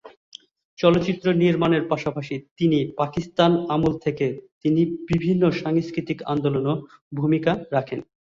চলচ্চিত্র নির্মাণের পাশাপাশি তিনি পাকিস্তান আমল থেকে তিনি বিভিন্ন সাংস্কৃতিক আন্দোলনেও ভূমিকা রাখেন।